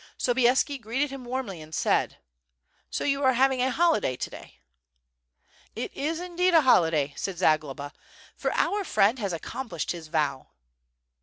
Sobieski greeted him warmly, and said: "So you are having a holiday to day?" "It is indeed a holiday," said Zagloba, "for our friend has accomplished his vow."